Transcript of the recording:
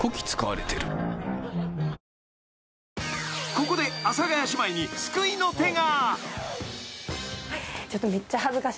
［ここで阿佐ヶ谷姉妹に救いの手が］